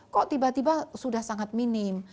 kok tiba tiba sudah sangat minim